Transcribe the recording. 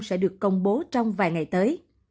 sẽ được công bố trong vài ngày tới